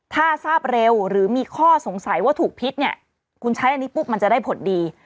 ถ้าทราบเร็วหรือมีข้อสงสัยว่าถูกพิษเนี่ยคุณใช้อันนี้ปุ๊บมันจะได้ผลดี